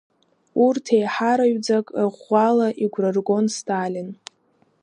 Урҭ аиҳараҩӡак ӷәӷәала игәра ргон Сталин.